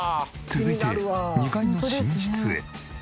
続いて２階の寝室へ。